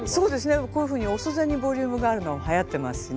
こういうふうにおそでにボリュームがあるのはやってますしね。